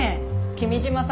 君嶋さん